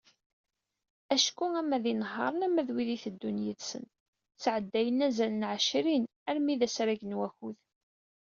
Acku, ama d inehharen, ama d wid itteddun yid-sen, sεeddayen azal n εecrin armi d asrag n wakud.